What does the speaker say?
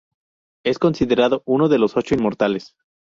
Es considerado uno de los Ocho Inmortales.